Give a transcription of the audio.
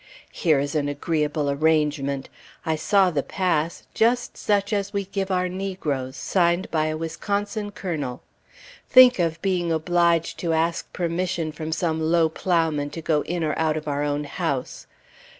Here is an agreeable arrangement! I saw the "pass," just such as we give our negroes, signed by a Wisconsin colonel. Think of being obliged to ask permission from some low plowman to go in or out of our own house!